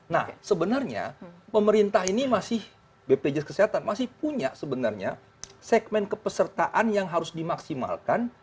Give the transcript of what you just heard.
nah sebenarnya pemerintah ini masih bpjs kesehatan masih punya sebenarnya segmen kepesertaan yang harus dimaksimalkan